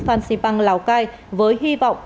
phan xipang lào cai với hy vọng